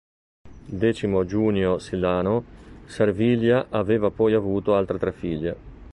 Decimo Giunio Silano, Servilia aveva poi avuto altre tre figlie.